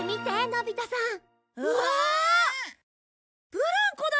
ブランコだ！